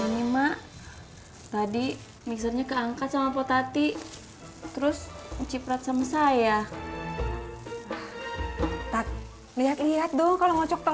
nih ma tadi instruksinya keangkat ibaah passions terus participating hati liat liat kalau ngopicot